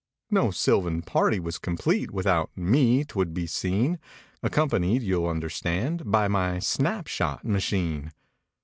No sylvan party was complete. Without me, 'twould be seen; Accompanied, you'll understand. By my "snapshot" machine.